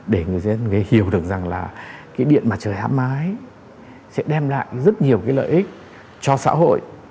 để người dân hiểu được rằng điện mặt trời áp mái sẽ đem lại rất nhiều lợi ích cho xã hội